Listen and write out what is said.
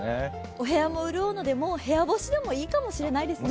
お部屋も潤うので部屋干しでもいいかもしれないですね。